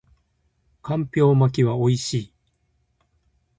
干瓢巻きは美味しい